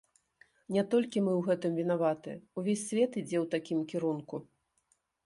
Не толькі мы ў гэтым вінаватыя, увесь свет ідзе ў такім кірунку.